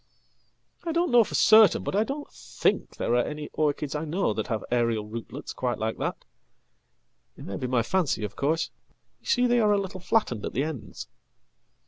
""I don't know for certain, but I don't think there are any orchidsI know that have aerial rootlets quite like that. It may be my fancy, ofcourse. You see they are a little flattened at the ends.""